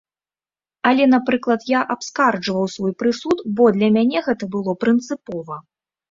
Але, напрыклад, я абскарджваў свой прысуд, бо для мяне гэта было прынцыпова.